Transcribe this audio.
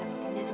ia sudah lagi ya